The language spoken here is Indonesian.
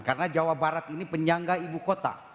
karena jawa barat ini penyangga ibu kota